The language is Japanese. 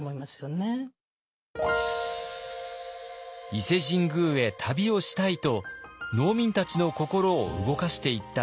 「伊勢神宮へ旅をしたい」と農民たちの心を動かしていった御師たち。